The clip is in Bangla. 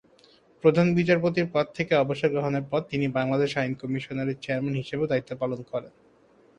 প্রধান বিচারপতির পদ থেকে অবসর গ্রহণের পর তিনি বাংলাদেশ আইন কমিশনের চেয়ারম্যান হিসাবেও দায়িত্ব পালন করেন।